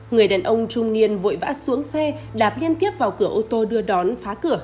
người đàn ông trung niên vội vã xuống xe đạp liên tiếp vào cửa ô tô đưa đón phá cửa